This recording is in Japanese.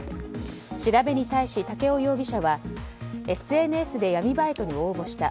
調べに対し、竹尾容疑者はＳＮＳで闇バイトに応募した。